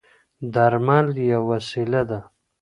درمل یوه وسیله ده.